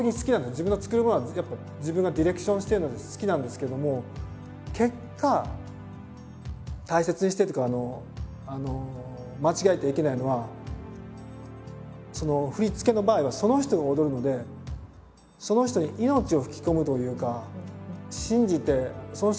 自分が作るものはやっぱ自分がディレクションしてるので好きなんですけども結果大切にしてるっていうか間違えてはいけないのは振り付けの場合はその人が踊るのでどんなものだっていいんですよ。